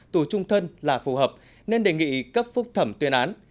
tù trung thân là phù hợp nên đề nghị cấp phúc thẩm tuyên án